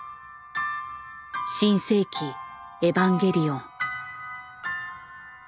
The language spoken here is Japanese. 「新世紀エヴァンゲリオン」。